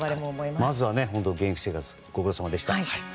まずは現役生活ご苦労さまでした。